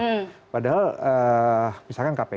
itu di sama netizen itu presiden ikut disalahkan juga gitu loh